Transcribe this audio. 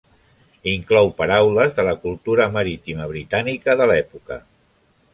Inclou paraules de la cultura marítima britànica de l'època.